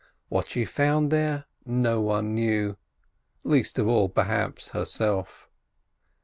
What she found there no one knew—least of all, perhaps, herself.